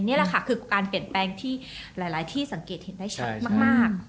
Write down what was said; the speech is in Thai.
นี่แหละค่ะคือการเปลี่ยนแปลงที่หลายที่สังเกตเห็นได้ชัดมาก